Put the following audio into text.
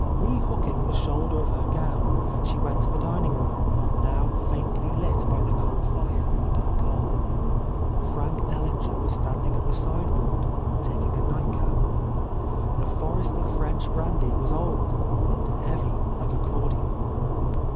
Re hooking the shoulder of her gown, she went to the dining room, now faintly lit by the coal fire in the back parlour. Frank Ellinger was stand ing at the sideboard, taking a nightcap. The Forrester French brandy was old, and heavy like a cordial.